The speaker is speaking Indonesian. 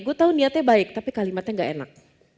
gue tahu niatnya baik tapi kalimatnya gak enak